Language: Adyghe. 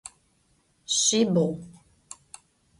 Şsibğu.